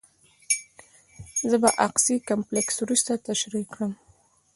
زه به د اقصی کمپلکس وروسته تشریح کړم.